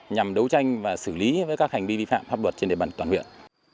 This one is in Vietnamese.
nhằm đấu tranh và xử lý với các hành vi vi phạm pháp luật trên địa bàn toàn huyện